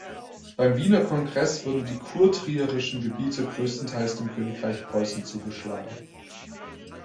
Beim Wiener Kongress wurden die kurtrierischen Gebiete größtenteils dem Königreich Preußen zugeschlagen.